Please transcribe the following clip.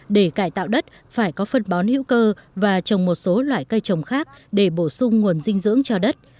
để cải tạo đất phải có phân bón hữu cơ và trồng một số loại cây trồng khác để bổ sung nguồn dinh dưỡng cho đất